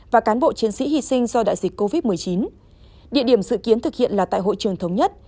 và cán bộ chiến sĩ hy sinh do đại dịch covid một mươi chín địa điểm dự kiến thực hiện là tại hội trường thống nhất